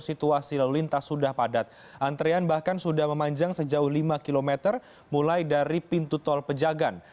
situasi lalu lintas sudah padat antrean bahkan sudah memanjang sejauh lima km mulai dari pintu tol pejagan